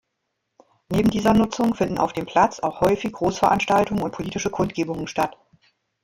Neben dieser Nutzung finden auf dem Platz auch häufig Großveranstaltungen und politische Kundgebungen statt.